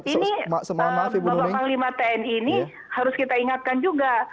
ini bapak panglima tni ini harus kita ingatkan juga